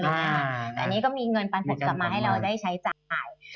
แต่อันนี้ก็มีเงินปันผลกลับมาให้เราได้ใช้จ่ายไป